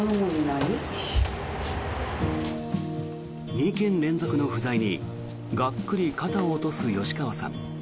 ２軒連続の不在にがっくり肩を落とす吉川さん。